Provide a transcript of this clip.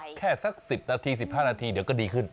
แค่สัก๑๐นาที๑๕นาทีเดี๋ยวก็ดีขึ้น